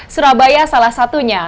surabaya salah satunya